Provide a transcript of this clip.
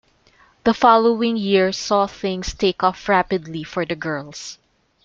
The following year saw things take off rapidly for the girls.